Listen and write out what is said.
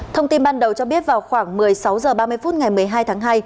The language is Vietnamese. thông tin ban đầu cho biết vào khoảng một mươi sáu h ba mươi phút ngày một mươi hai tháng hai